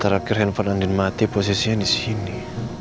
terakhir handphone andin mati posisinya disini